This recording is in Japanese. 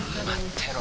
てろ